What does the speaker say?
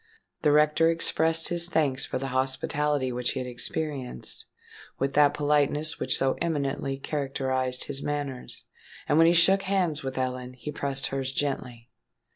The rector expressed his thanks for the hospitality which he had experienced, with that politeness which so eminently characterised his manners; and when he shook hands with Ellen, he pressed hers gently.